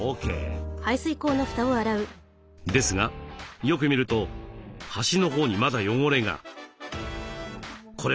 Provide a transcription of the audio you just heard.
ですがよく見ると端のほうにまだ汚れが。